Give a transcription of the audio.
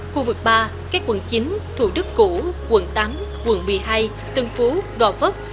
khu vực ba các quận chín thủ đức củ quận tám quận một mươi hai tân phú gò vấp